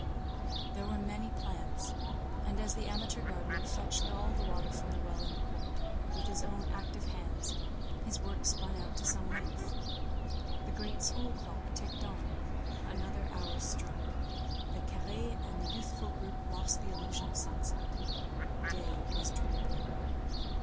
There were many plants, and as the amateur gardener fetched all the water from the well in the court, with his own active hands, his work spun on to some length. The great school clock ticked on. Another hour struck. The carré and the youthful group lost the illusion of sunset. Day was drooping.